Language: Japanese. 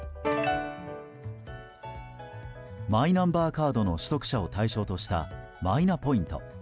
マイナンバーカードの取得者を対象としたマイナポイント。